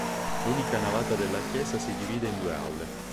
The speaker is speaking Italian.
L'unica navata della chiesa si divide in due aule.